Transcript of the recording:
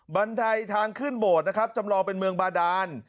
บรรทัยทางขึ้นโบรถจำลองเป็นเมืองบาดาน